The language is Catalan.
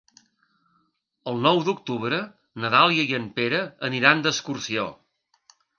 El nou d'octubre na Dàlia i en Pere aniran d'excursió.